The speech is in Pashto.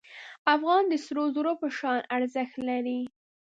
افغان د سرو زرو په شان ارزښت لري.